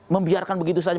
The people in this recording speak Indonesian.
membiarkan begitu saja